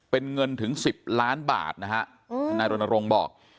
เป็นเงินถึง๑๐ล้านบาทนะฮะทนายรณรงค์บอก